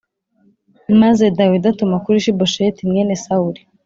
Maze Dawidi atuma kuri Ishibosheti mwene Sawuli